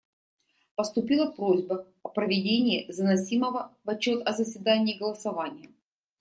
Поступила просьба о проведении заносимого в отчет о заседании голосования.